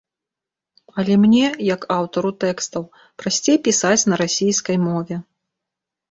Але мне, як аўтару тэкстаў, прасцей пісаць на расійскай мове.